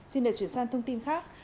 xin để chuyển sang thông tin khác